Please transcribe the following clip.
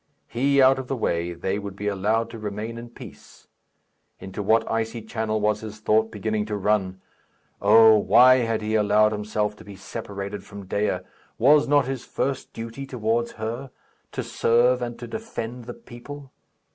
He out of the way, they would be allowed to remain in peace. Into what icy channel was his thought beginning to run! Oh! why had he allowed himself to be separated from Dea? Was not his first duty towards her? To serve and to defend the people?